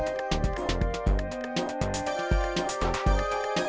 belum bercmaan mana dear